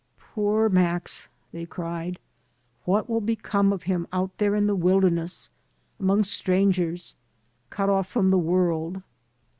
"Poor Max!" they cried. "What wiU become of him out there in the wilderness, among strangers, cut off from the world?"